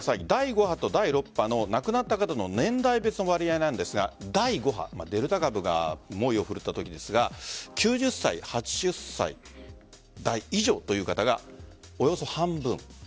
第５波と第６波の亡くなった方の年代別の割合なんですが第５波、デルタ株が猛威を振るったときですが９０歳、８０歳代以上という方がおよそ半分。